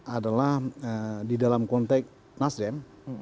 adalah di dalam konteks nasdem